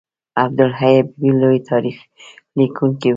عبدالحی حبیبي لوی تاریخ لیکونکی و.